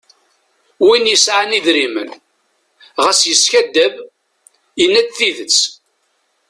Win yesɛan idrimen. ɣas yeskadeb. yenna-d tidet.